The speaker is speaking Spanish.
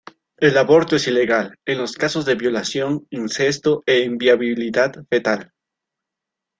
El aborto es ilegal en los casos de violación, incesto, e inviabilidad fetal.